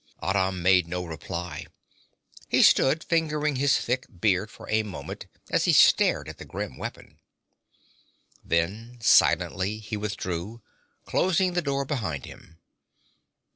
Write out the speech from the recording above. Aram made no reply; he stood fingering his thick beard for a moment as he stared at the grim weapon. Then silently he withdrew, closing the door behind him.